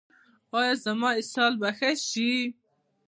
ایا زما اسهال به ښه شي؟